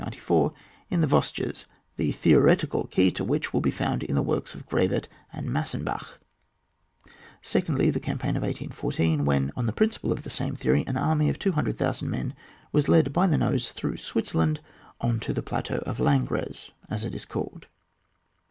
and 1794 in the Yosges, the theoretical key to which will be found in the works of Gravert and Massenbach ; secondly, the campaign of 1814, when, on the principle ot the same theory, an army of 200,000 men was led by the nose through Switzerland on to the plateau of Langres as it is called.